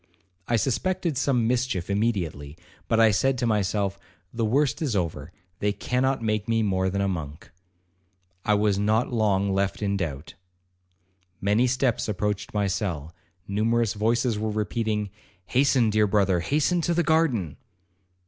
I suspected some mischief immediately, but I said to myself, 'The worst is over, they cannot make me more than a monk.'—I was not long left in doubt. Many steps approached my cell, numerous voices were repeating, 'Hasten, dear brother, hasten to the garden.'